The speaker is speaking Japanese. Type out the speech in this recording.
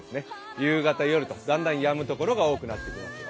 夕方、夜とだんだんやむところが多くなってきます。